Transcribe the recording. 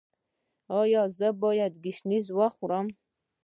ایا زه باید ګشنیز وخورم؟